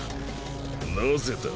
なぜだ？